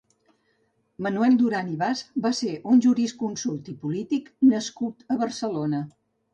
Manuel Duran i Bas va ser un jurisconsult i polític nascut a Barcelona.